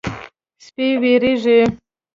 سپي وېرېږي.